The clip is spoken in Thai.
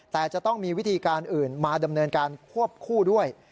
แต่จะต้องมีวิธีการอื่นมาดำเนินการควบคู่ด้วย